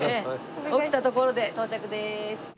起きたところで到着です。